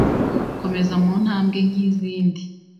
Komeza mu ntambwe nkizindi